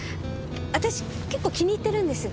私結構気に入ってるんです。